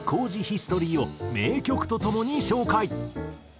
ヒストリーを名曲とともに紹介。